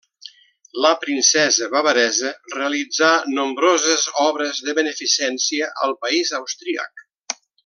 La princesa bavaresa realitzà nombroses obres de beneficència al país austríac.